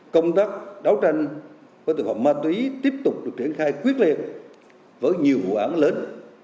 công tác đấu tranh với tội phạm ma túy tiếp tục được triển khai quyết liệt với nhiều vụ án lớn